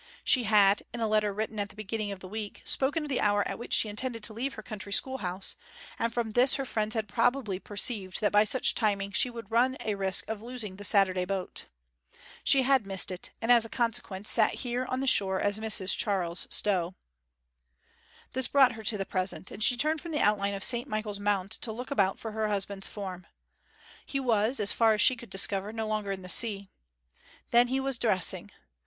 She had, in a letter written at the beginning of the week, spoken of the hour at which she intended to leave her country schoolhouse; and from this her friends had probably perceived that by such timing she would run a risk of losing the Saturday boat. She had missed it, and as a consequence sat here on the shore as Mrs Charles Stow. This brought her to the present, and she turned from the outline of St Michael's Mount to look about for her husband's form. He was, as far as she could discover, no longer in the sea. Then he was dressing.